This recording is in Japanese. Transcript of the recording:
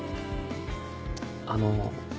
あの。